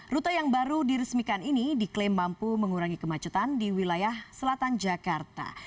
rute yang baru diresmikan ini diklaim mampu mengurangi kemacetan di wilayah selatan jakarta